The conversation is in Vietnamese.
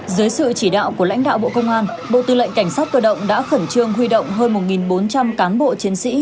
dưới sự chỉ đạo của lãnh đạo bộ công an bộ tư lệnh cảnh sát cơ động đã khẩn trương huy động hơn một bốn trăm linh cán bộ chiến sĩ